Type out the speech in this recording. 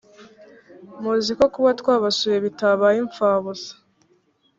muzi ko kuba twarabasuye bitabaye imfabusa